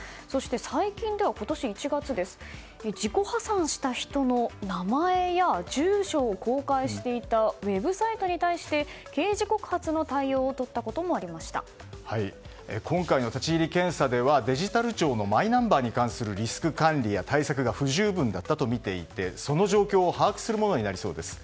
最近では今年１月に自己破産した人の名前や住所を公開していたウェブサイトに対して刑事告発の対応を今回の立ち入り検査ではデジタル庁のマイナンバーに関するリスク管理や対策が不十分だったと見ていてその状況を把握するものになりそうです。